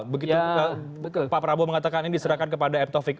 begitu pak prabowo mengatakan ini diserahkan kepada m taufik